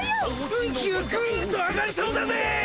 運気がぐんと上がりそうだぜ。